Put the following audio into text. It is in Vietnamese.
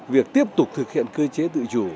việc tiếp tục thực hiện cơ chế tự chủ